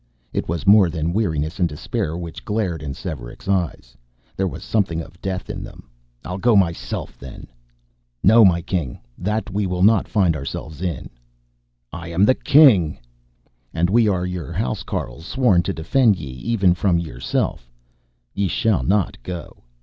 It was more than weariness and despair which glared in Svearek's eyes, there was something of death in them. "I'll go myself, then!" "No, my king. That we will not find ourselves in." "I am the king!" "And we are yer housecarls, sworn to defend ye even from yerself. Ye shall not go."